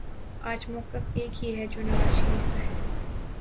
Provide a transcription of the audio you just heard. آج مؤقف ایک ہی ہے جو نواز شریف کا ہے